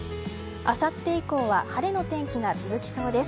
あさって以降は晴れの天気が続きそうです。